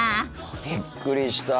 びっくりした。